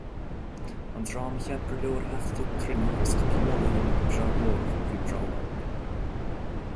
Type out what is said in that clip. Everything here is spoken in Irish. An dream a cheap gur leor a theacht chuig cruinniú agus cúpla moladh a dhéanamh go breá glórach, bhí breall orthu.